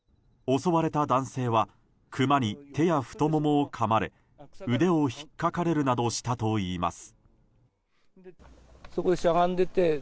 襲われた男性はクマに手や太ももをかまれ腕をひっかかれるなどしたといいます。